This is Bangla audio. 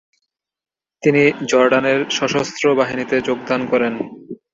তিনি জর্ডানের সশস্ত্র বাহিনীতে যোগদান করেন।